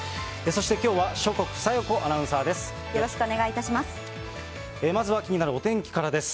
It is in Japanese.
そしてきょうは、諸國沙代子アナウンサーです。